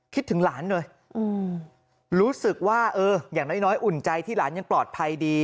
คิดถึงหลานเลยรู้สึกว่าเอออย่างน้อยอุ่นใจที่หลานยังปลอดภัยดี